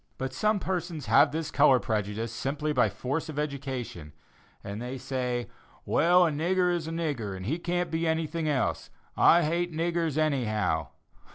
But some persons have this color prejudice simply by the force of education, and they say, "Well, a nigger is a nigger, and he can't be anything else. I hate niggers, anyhow."